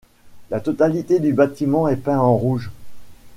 La totalité du bâtiment est peint en rouge.